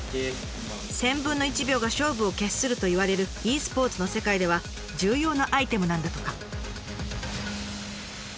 １，０００分の１秒が勝負を決するといわれるｅスポーツの世界では重要なアイテムなんだとか。